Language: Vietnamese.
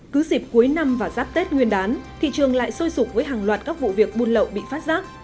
cứ dịp cuối năm và giáp tết nguyên đán thị trường lại sôi sụp với hàng loạt các vụ việc buôn lậu bị phát giác